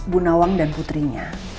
bu nawang dan putrinya